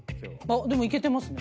でもいけてますね。